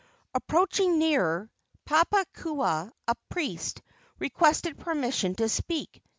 Approaching nearer, Papakua, a priest, requested permission to speak.